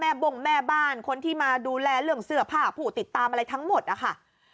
บ้งแม่บ้านคนที่มาดูแลเรื่องเสื้อผ้าผู้ติดตามอะไรทั้งหมดนะคะ